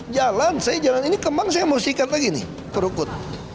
jalan saya jalan ini kemang saya mau sikat lagi nih kerukut